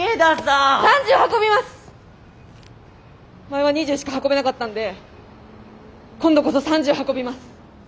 前は２０しか運べなかったんで今度こそ３０運びます。